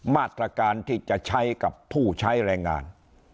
มาตรการที่จะใช้กับผู้ใช้แรงงาน